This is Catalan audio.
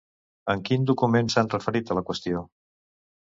En quin document s'han referit a la qüestió?